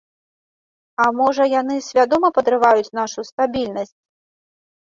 А можа, яны свядома падрываюць нашу стабільнасць?